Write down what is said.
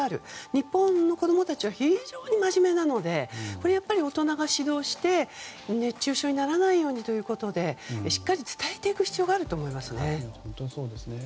日本の子供たちは非常に真面目なのでやっぱり大人が指導して熱中症にならないようにということでしっかり伝えていく必要があると思いますね。